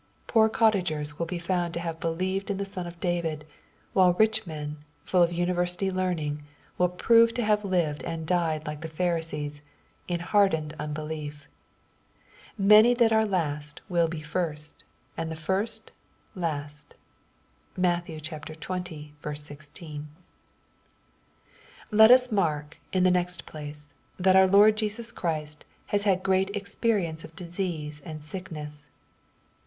Poor, cottagers will be found to have believed in the Son of David, while rich men, full of university learning, will prove to have lived and died like the Pharisees, in hardened unbelief. Many that are last will be first, and the first last. (Matt. xx. 16.) Let us mark, in the next place, that our Lord Jesus Christ has had great experience of disease and sickness.